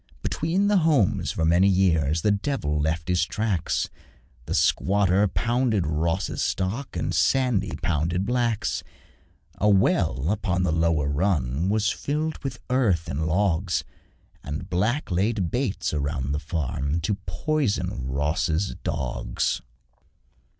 Between the homes for many years The devil left his tracks: The squatter pounded Ross's stock, And Sandy pounded Black's. A well upon the lower run Was filled with earth and logs, And Black laid baits about the farm To poison Ross's dogs.